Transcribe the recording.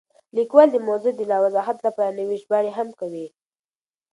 لیکوال د موضوع د لا وضاحت لپاره نورې ژباړې هم کوي.